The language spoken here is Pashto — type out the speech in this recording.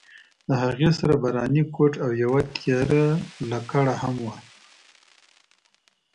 د هغې سره باراني کوټ او یوه تېره لکړه هم وه.